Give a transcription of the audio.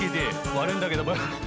悪いんだけど。